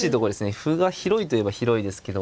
歩が広いといえば広いですけど。